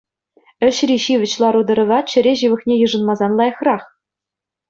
Ӗҫри ҫивӗч лару-тӑрӑва чӗре ҫывӑхне йышӑнмасан лайӑхрах.